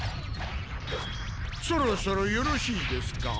そろそろよろしいですか？